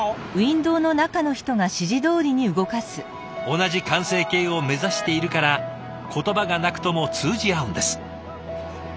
同じ完成形を目指しているから言葉がなくとも通じ合うんです。